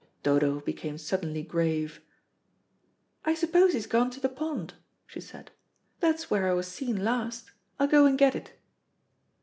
Dodo became suddenly grave. "I suppose he's gone to the pond," she said; "that's where I was seen last. I'll go and get it."